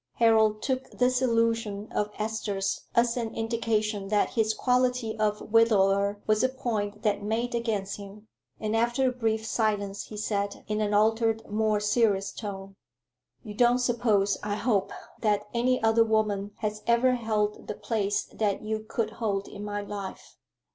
Harold took this allusion of Esther's as an indication that his quality of widower was a point that made against him; and after a brief silence he said, in an altered, more serious tone "You don't suppose, I hope, that any other woman has ever held the place that you could hold in my life?"